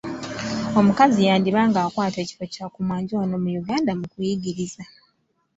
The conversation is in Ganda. Omukazi yandiba ng’akwata ekifo kya ku mwanjo wano mu Buganda mu kuyigiriza.